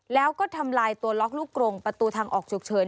แล้วก็ทำลายตัวล็อกลูกกรงประตูทางออกฉุกเฉิน